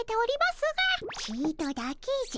ちとだけじゃ。